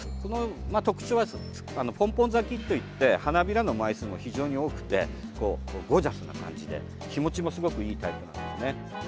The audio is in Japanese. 特徴は、ポンポン咲きといって花びらの枚数も非常に多くてゴージャスな感じで、日もちもすごくいいタイプなんですね。